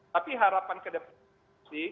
tapi harapan kedepan